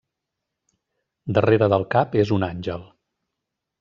Darrere del cap és un àngel.